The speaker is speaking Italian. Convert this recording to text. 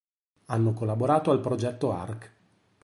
Hanno collaborato al progetto arch.